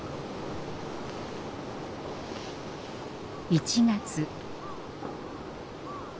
１月。